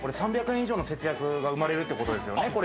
３００円以上の節約が生まれるということですね。